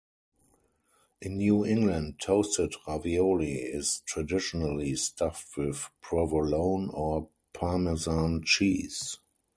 In New England, toasted ravioli is traditionally stuffed with provolone or Parmesan cheese.